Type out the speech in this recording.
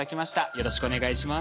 よろしくお願いします。